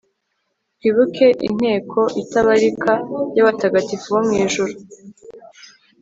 twibuke inteko itabarika, y'abatagatifu bo mu ijuru